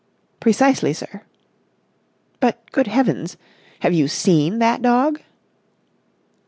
"Precisely, sir." "But, good heavens! Have you seen that dog?"